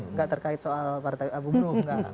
tidak terkait soal partai abu buruh